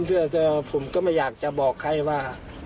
น้อยมากผมก็ไม่อยากจะบอกใครว่า